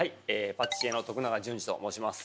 パティシエの永純司と申します。